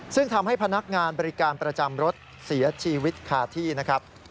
ซึ่งทำให้พนักงานบริการประจำรถเสียชีวิตคาที่นะครับ